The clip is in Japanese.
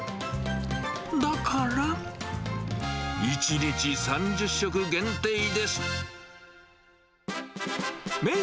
だから、１日３０食限定です。